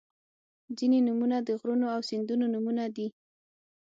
• ځینې نومونه د غرونو او سیندونو نومونه دي.